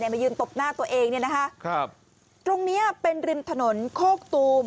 มายืนตบหน้าตัวเองนะคะตรงนี้เป็นริมถนนโคกตูม